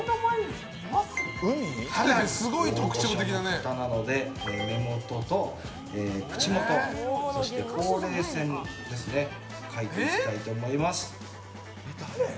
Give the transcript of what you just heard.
かなり大御所の方なので目元と口元そしてほうれい線ですね描いていきたいと思います。